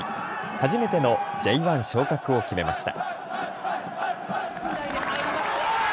初めてのＪ１昇格を決めました。